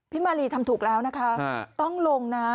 มารีทำถูกแล้วนะคะต้องลงนะ